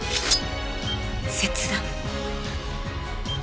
切断。